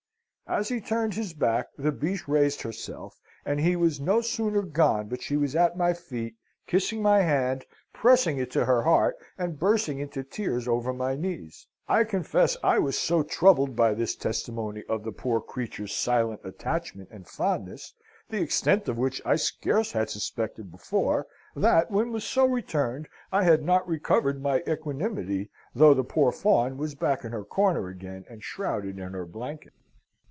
"As he turned his back the Biche raised herself; and he was no sooner gone but she was at my feet, kissing my hand, pressing it to her heart, and bursting into tears over my knees. I confess I was so troubled by this testimony of the poor creature's silent attachment and fondness, the extent of which I scarce had suspected before, that when Museau returned, I had not recovered my equanimity, though the poor Fawn was back in her corner again and shrouded in her blanket.